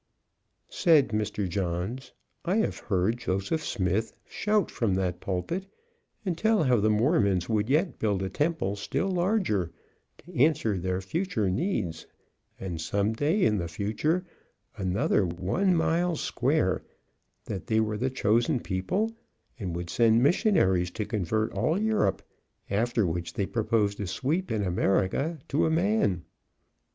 Said Mr. J , "I have heard Joseph Smith shout from that pulpit and tell how the Mormons would yet build a temple still larger, to answer their future needs, and some day in the future another one a mile square; that they were the chosen people, and would send missionaries to convert all Europe, after which they proposed to sweep in America to a man.